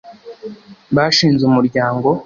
bashinze Umuryango